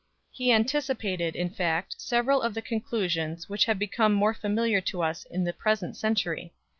He anticipated, in fact, several of the conclusions which have become more familiar to us in the present century 2